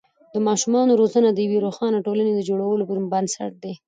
د ماشومانو روزنه د یوې روښانه ټولنې د جوړولو بنسټ دی.